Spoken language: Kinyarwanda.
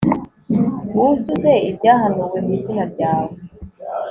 wuzuze ibyahanuwe mu izina ryawe